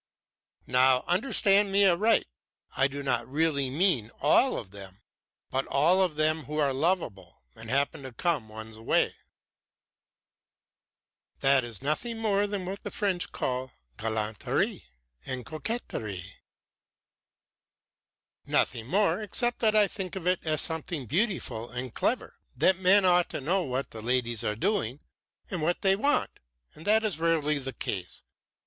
"Now understand me aright I do not really mean all of them, but all of them who are lovable and happen to come one's way." "That is nothing more than what the French call galanterie and coquetterie." "Nothing more except that I think of it as something beautiful and clever. And then men ought to know what the ladies are doing and what they want; and that is rarely the case.